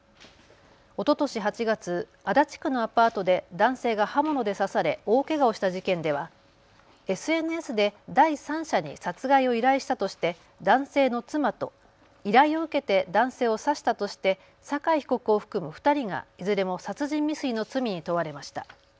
おととし８月、足立区のアパートで男性が刃物で刺され大けがをした事件ではＳＮＳで第三者に殺害を依頼したとして男性の妻と依頼を受けて男性を刺したとして酒井被告を含む２人がいずれも殺人未遂の罪に問われました。